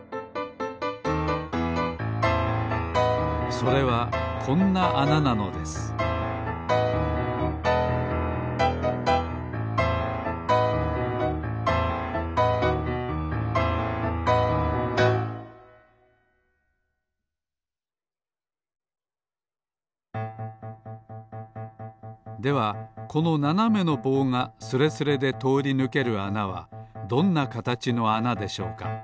それはこんなあななのですではこのななめのぼうがスレスレでとおりぬけるあなはどんなかたちのあなでしょうか？